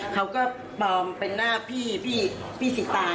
เขาก็ปลอมเป็นหน้าพี่พี่สิตา